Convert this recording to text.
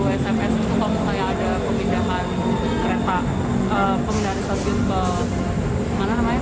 sms itu kalau misalnya ada pemindahan kereta pengendara stasiun ke mana namanya